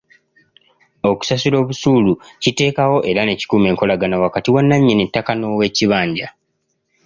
Okusasula obusuulu kiteekawo era ne kikuuma enkolagana wakati wa nnannyini ttaka n'ow'ekibanja.